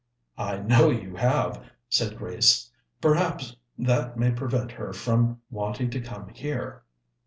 "I know you have," said Grace. "Perhaps that may prevent her from wanting to come here."